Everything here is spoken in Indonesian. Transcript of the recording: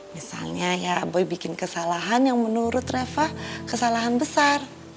misalnya ya boy bikin kesalahan yang menurut reva kesalahan besar